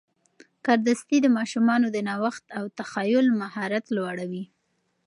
کاردستي د ماشومانو د نوښت او تخیل مهارت لوړوي.